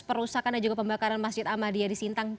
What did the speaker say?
perusakan dan juga pembakaran masjid ahmadiyah di sintang